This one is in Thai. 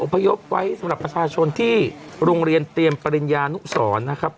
พยพไว้สำหรับประชาชนที่โรงเรียนเตรียมปริญญานุสรนะครับ